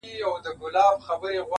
انسانانو یو متل دی پیدا کړی-